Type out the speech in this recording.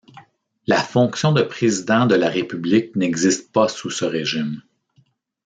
La fonction de président de la République n'existe pas sous ce régime.